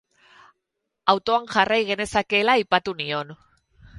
Autoan jarrai genezakeela aipatu nion.